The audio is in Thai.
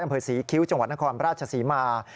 อำเภอศรีคิ้วจังหวัดนครราชศรีมา